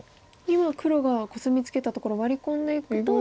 今黒がコスミツケたところワリ込んでいくと。